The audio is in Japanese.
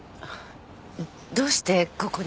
どうしてここに？